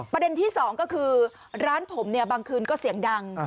ประเด็นที่สองก็คือร้านผมบางคืนก็เสียงดัง